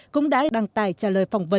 cũng đã đăng tải trả lời phỏng vấn